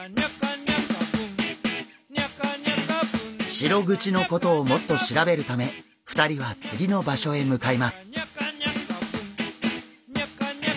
シログチのことをもっと調べるため２人は次の場所へ向かいます。